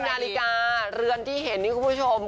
ให้นาฬิกาเหลือนที่เห็นคุณผู้ชม